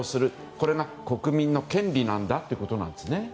これが国民の権利なんだということなんですね。